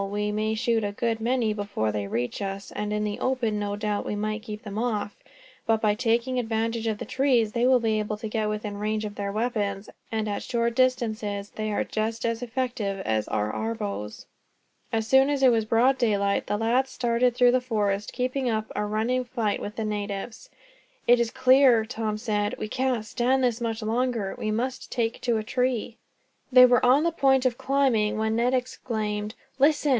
We may shoot a good many before they reach us, and in the open no doubt we might keep them off. But by taking advantage of the trees, they will be able to get within range of their weapons; and at short distances, they are just as effective as are our bows." As soon as it was broad daylight, the lads started through the forest, keeping up a running fight with the natives. "It is clear," Tom said, "we cannot stand this much longer. We must take to a tree." They were on the point of climbing, when Ned exclaimed: "Listen!